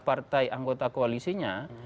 partai anggota koalisinya